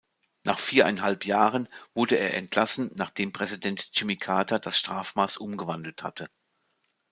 Nach viereinhalb Jahren wurde er entlassen, nachdem Präsident Jimmy Carter das Strafmaß umgewandelt hatte.